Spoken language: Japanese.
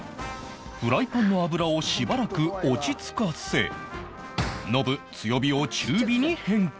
フライパンの油をしばらく落ち着かせノブ強火を中火に変更